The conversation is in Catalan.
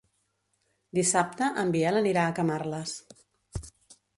Dissabte en Biel anirà a Camarles.